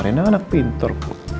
rena anak pintur